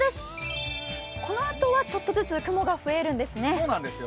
このあとはちょっとずつ雲が増えるんですね。